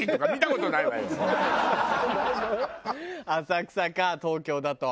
浅草か東京だと。